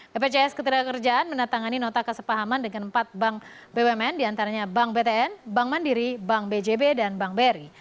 bpjs ketenagakerjaan menatangani nota kesepahaman dengan empat bank bumn diantaranya bank btn bank mandiri bank bjb dan bank bri